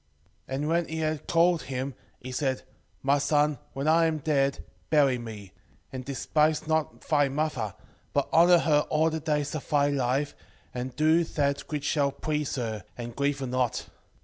4:3 And when he had called him, he said, My son, when I am dead, bury me; and despise not thy mother, but honour her all the days of thy life, and do that which shall please her, and grieve her not.